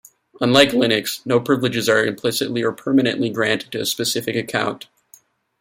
Unlike Linux, no privileges are implicitly or permanently granted to a specific account.